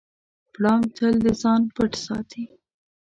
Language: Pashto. پړانګ تل د ځان پټ ساتي.